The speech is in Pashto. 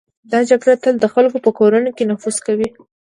دا جګړه تل د خلکو په کورونو کې نفوذ کوي.